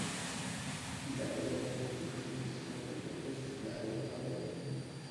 Il a également été primé dans plusieurs festivals à travers le monde.